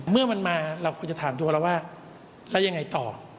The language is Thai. เมื่อมันมาเราควรจะถามตัวเราว่าแล้วยังไงต่อ